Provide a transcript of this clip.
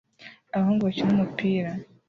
Abahungu bakina umupira